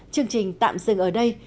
chương trình tạm dừng ở đây